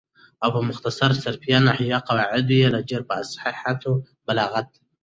او په مختصر صرفیه او نحویه قواعدو یې له ډېره فصاحته او بلاغته